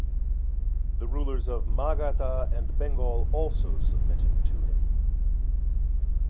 The rulers of Magadha and Bengal also submitted to him.